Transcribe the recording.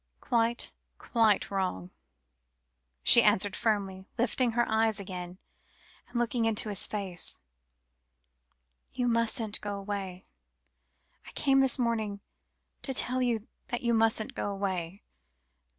"Quite, quite wrong," she answered firmly, lifting her eyes again, and looking into his face; "you mustn't go away. I came this morning to tell you that you mustn't go away.